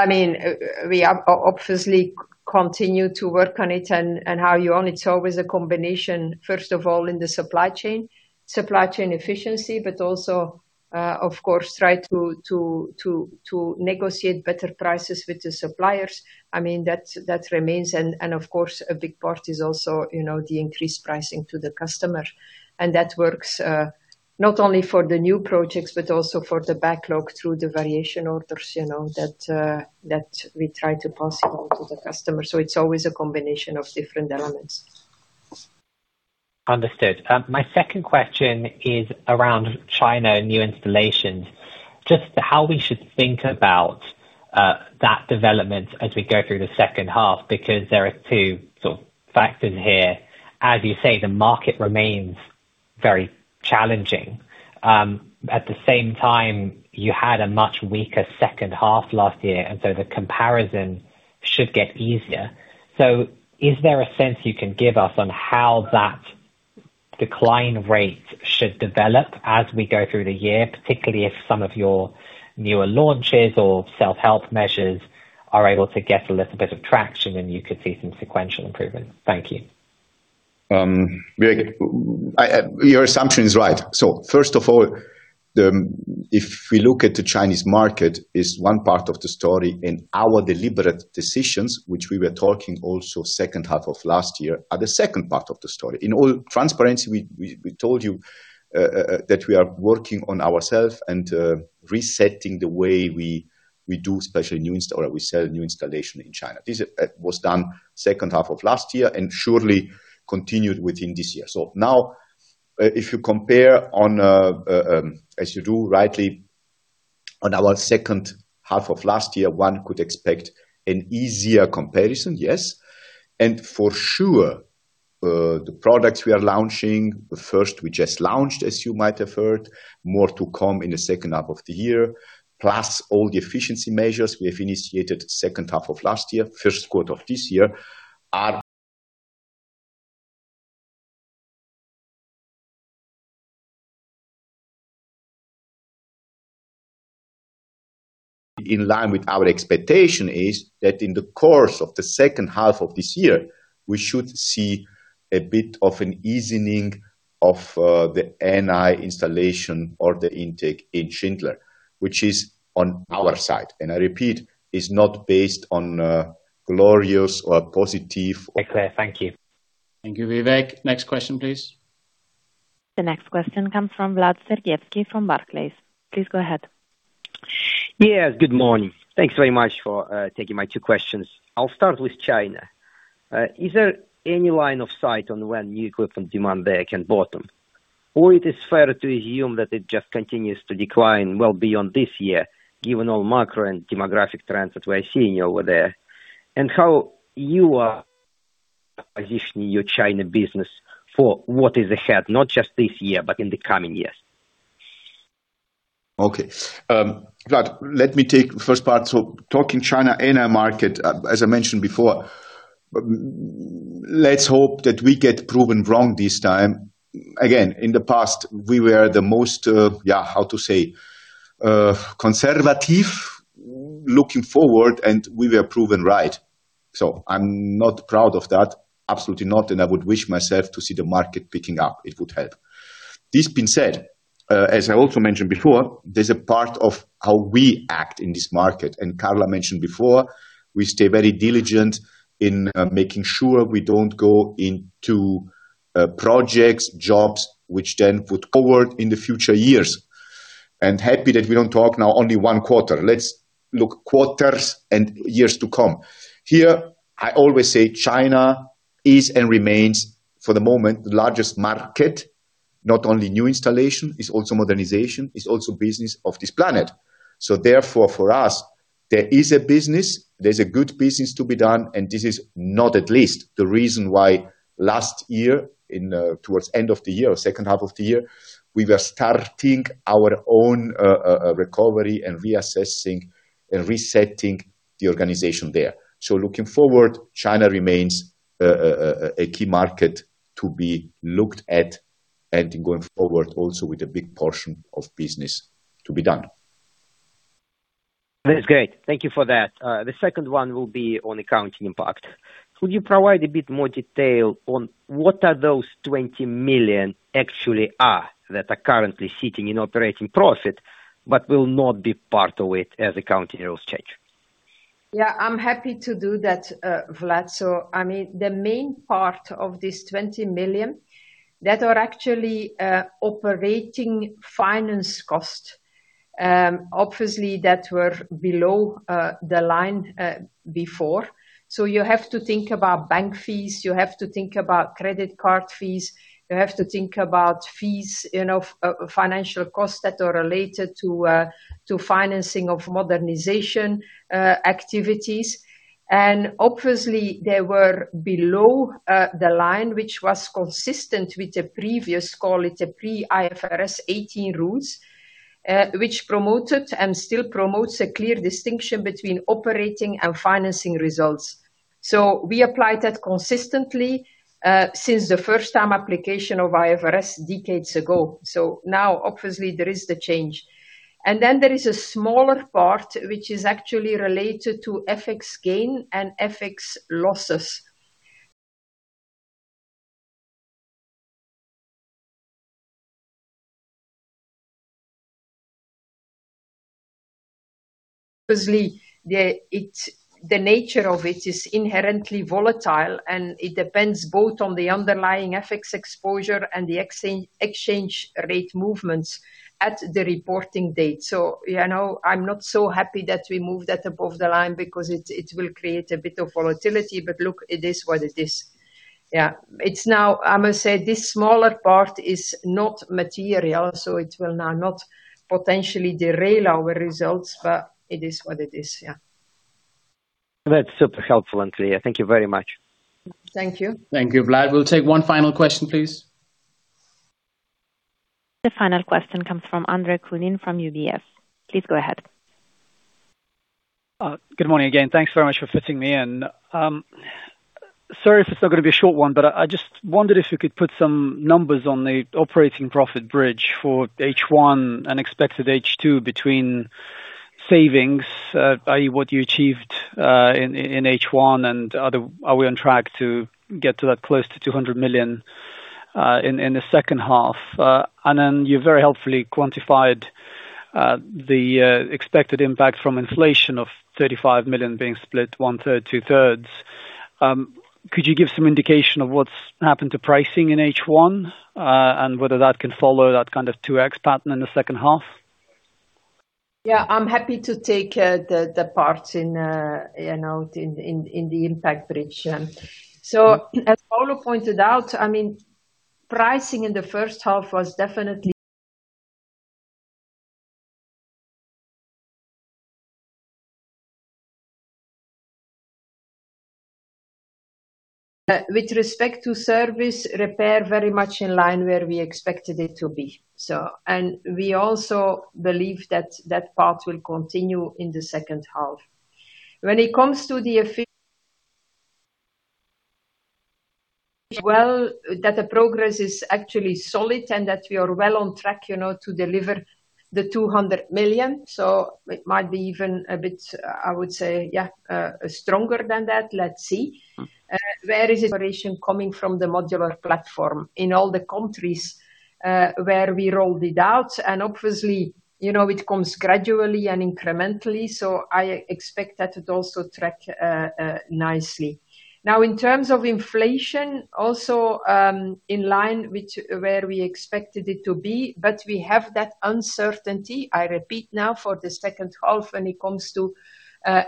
we obviously continue to work on it and how you own it. It's always a combination, first of all, in the supply chain, supply chain efficiency, but also, of course, try to negotiate better prices with the suppliers. That remains, of course, a big part is also the increased pricing to the customer. That works not only for the new projects but also for the backlog through the variation orders, that we try to pass on to the customer. It's always a combination of different elements. Understood. My second question is around China New Installations, just how we should think about that development as we go through the second half, because there are two sort of factors here. As you say, the market remains very challenging. At the same time, you had a much weaker second half last year, the comparison should get easier. Is there a sense you can give us on how that decline rate should develop as we go through the year, particularly if some of your newer launches or self-help measures are able to get a little bit of traction and you could see some sequential improvement? Thank you. Vivek, your assumption is right. First of all, if we look at the Chinese market, it's one part of the story, and our deliberate decisions, which we were talking also second half of last year, are the second part of the story. In all transparency, we told you that we are working on ourself and resetting the way we do, especially we sell New Installation in China. This was done second half of last year and surely continued within this year. Now if you compare on, as you do rightly, on our second half of last year, one could expect an easier comparison, yes. For sure, the products we are launching, the first we just launched, as you might have heard, more to come in the second half of the year, plus all the efficiency measures we have initiated second half of last year, first quarter of this year are in line with our expectation is that in the course of the second half of this year, we should see a bit of an easing of the NI installation or the intake in Schindler. Which is on our side, and I repeat. Very clear. Thank you. Thank you, Vivek. Next question, please. The next question comes from Vlad Sergievskiy from Barclays. Please go ahead. Yes, good morning. Thanks very much for taking my two questions. I'll start with China. Is there any line of sight on when new equipment demand there can bottom? It is fair to assume that it just continues to decline well beyond this year, given all macro and demographic trends that we're seeing over there? How you are positioning your China business for what is ahead, not just this year, but in the coming years. Vlad, let me take the first part. Talking China in a market, as I mentioned before, let's hope that we get proven wrong this time. In the past, we were the most, how to say, conservative looking forward, and we were proven right. I'm not proud of that, absolutely not, and I would wish myself to see the market picking up. It would help. This being said, as I also mentioned before, there's a part of how we act in this market, and Carla mentioned before, we stay very diligent in making sure we don't go into projects, jobs, which then put forward in the future years. Happy that we don't talk now only one quarter. Let's look quarters and years to come. Here, I always say China is and remains, for the moment, the largest market, not only new installation, it's also modernization, it's also business of this planet. Therefore, for us, there is a business, there's a good business to be done, and this is not at least the reason why last year towards end of the year or second half of the year, we were starting our own recovery and reassessing and resetting the organization there. Looking forward, China remains a key market to be looked at and going forward also with a big portion of business to be done. That's great. Thank you for that. The second one will be on accounting impact. Could you provide a bit more detail on what those 20 million actually are, that are currently sitting in operating profit but will not be part of it as accounting rules change? I'm happy to do that, Vlad. The main part of this 20 million that are actually operating finance cost, obviously that were below the line before. You have to think about bank fees, you have to think about credit card fees, you have to think about fees, financial costs that are related to financing of modernization activities. Obviously they were below the line, which was consistent with the previous call, it a pre-IFRS 18 rules, which promoted and still promotes a clear distinction between operating and financing results. We applied that consistently, since the first time application of IFRS decades ago. Now obviously there is the change. Then there is a smaller part which is actually related to FX gain and FX losses. Obviously, the nature of it is inherently volatile, and it depends both on the underlying FX exposure and the exchange rate movements at the reporting date. I'm not so happy that we moved that above the line because it will create a bit of volatility. Look, it is what it is. Yeah. I must say this smaller part is not material, so it will now not potentially derail our results it is what it is, yeah. That's super helpful and clear. Thank you very much. Thank you. Thank you, Vlad. We'll take one final question, please. The final question comes from Andre Kukhnin from UBS. Please go ahead. Good morning again. Thanks very much for fitting me in. Sorry if it's not going to be a short one, but I just wondered if you could put some numbers on the operating profit bridge for H1 and expected H2 between savings, i.e. what you achieved in H1 and are we on track to get to that close to 200 million in the second half? Then you very helpfully quantified the expected impact from inflation of 35 million being split 1/3, 2/3. Could you give some indication of what's happened to pricing in H1, and whether that can follow that kind of 2x pattern in the second half? Yeah, I'm happy to take the part in the impact bridge. As Paolo pointed out, pricing in H1 was definitely With respect to service repair very much in line where we expected it to be. We also believe that that part will continue in H2. When it comes to that the progress is actually solid and that we are well on track to deliver the 200 million, so it might be even a bit, I would say, yeah, stronger than that. Let's see. There is inspiration coming from the modular platform in all the countries where we rolled it out. Obviously, it comes gradually and incrementally, so I expect that it also track nicely. Now in terms of inflation, also in line with where we expected it to be, but we have that uncertainty, I repeat now for H2 when it comes to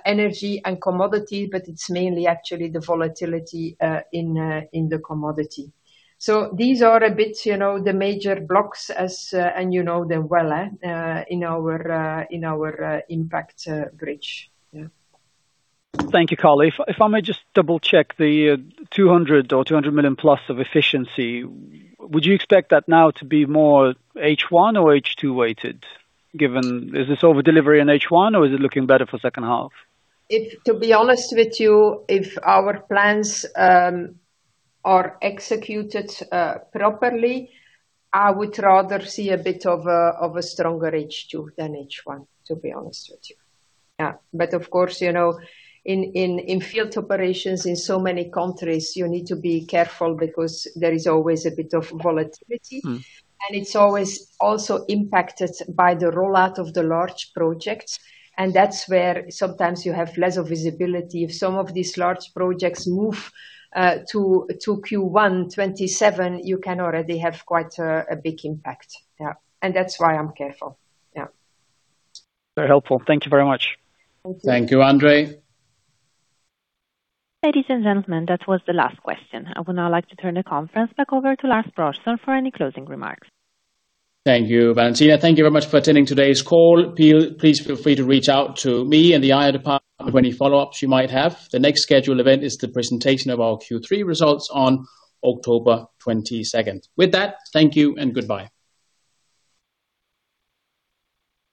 energy and commodity, but it's mainly actually the volatility in the commodity. These are a bit the major blocks as, and you know them well, in our impact bridge. Yeah. Thank you, Carla. If I may just double check the 200 million+ of efficiency, would you expect that now to be more H1 or H2 weighted given is this over delivery in H1 or is it looking better for second half? To be honest with you, if our plans are executed properly, I would rather see a bit of a stronger H2 than H1, to be honest with you. Yeah. Of course, in field operations in so many countries, you need to be careful because there is always a bit of volatility. It's always also impacted by the rollout of the large projects, that's where sometimes you have less of visibility. If some of these large projects move to Q1 2027, you can already have quite a big impact. Yeah. That's why I'm careful. Yeah. Very helpful. Thank you very much. Thank you. Thank you, Andre. Ladies and gentlemen, that was the last question. I would now like to turn the conference back over to Lars Brorson for any closing remarks. Thank you, Valentina. Thank you very much for attending today's call. Please feel free to reach out to me and the IR department with any follow-ups you might have. The next scheduled event is the presentation of our Q3 results on October 22nd. With that, thank you and goodbye.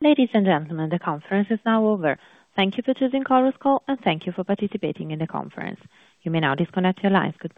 Ladies and gentlemen, the conference is now over. Thank you for choosing Chorus Call, and thank you for participating in the conference. You may now disconnect your lines. Goodbye